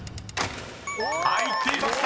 ［入っていました。